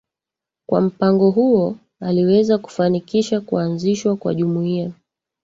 Kwa mpango huo aliweza kufanikisha kuanzishwa kwa Jumuiya